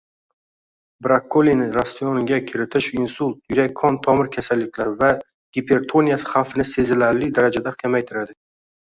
Brokkolini ratsionga kiritish insult, yurak-qon tomir kasalliklari va gipertoniya xavfini sezilarli darajada kamaytiradi